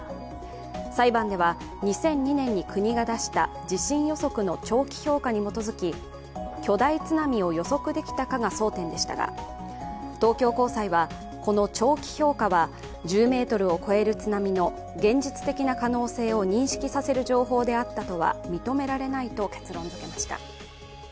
裁判では２００２年に国が出した地震予測の長期評価に基づき巨大津波を予測できたかが争点でしたが東京高裁はこの長期評価は１０ｍを超える津波の現実的な可能性を認識させる情報であったとは認められないと結論づけました。